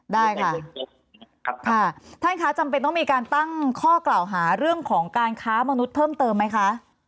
ได้ค่ะครับค่ะท่านคะจำเป็นต้องมีการตั้งข้อกล่าวหาเรื่องของการค้ามนุษย์เพิ่มเติมไหมคะ